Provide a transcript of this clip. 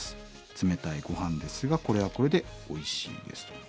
冷たいごはんですがこれはこれでおいしいです」と。